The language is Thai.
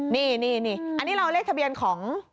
นี่อันนี้เราเลขทะเบียนของ